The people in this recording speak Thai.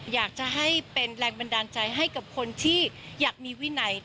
อยากจะให้เป็นแรงบันดาลใจให้กับคนที่อยากมีวินัย